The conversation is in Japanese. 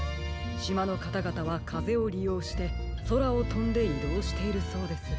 しまのかたがたはかぜをりようしてそらをとんでいどうしているそうです。